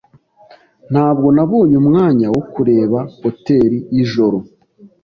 Ntabwo nabonye umwanya wo kureba hoteri yijoro.